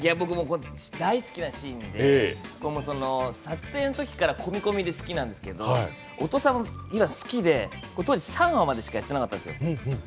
大好きなシーンで、撮影の時からこみこみで好きなんですけど音尾さんが好きで、当時３話までしかやってなかったんですよ。